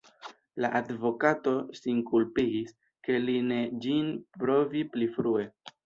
La advokato sin kulpigis, ke li ne ĝin provi pli frue.